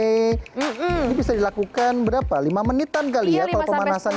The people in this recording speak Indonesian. ini bisa dilakukan berapa lima menitan kali ya kalau pemanasannya